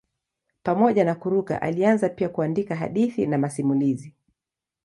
Pamoja na kuruka alianza pia kuandika hadithi na masimulizi.